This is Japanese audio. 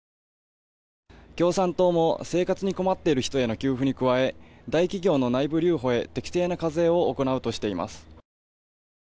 共産党も生活に困っている人への給付に加え大企業の内部留保へ適正な課税を行うとしています。